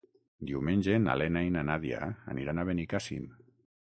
Diumenge na Lena i na Nàdia aniran a Benicàssim.